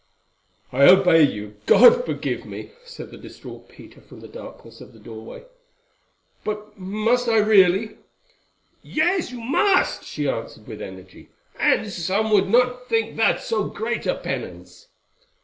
"I obey you, God forgive me!" said the distraught Peter from the darkness of the doorway; "but must I really——?" "Yes, you must," she answered with energy, "and some would not think that so great a penance."